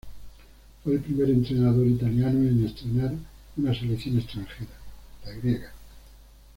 Fue el primer entrenador italiano en entrenar una selección extranjera, la Griega.